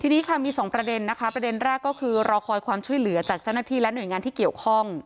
ทีนี้ค่ะมีสองประเด็นนะคะประเด็นแรกก็คือรอคอยความช่วยเหลือจากเจ้าหน้าที่และหน่วยงานที่เกี่ยวข้อง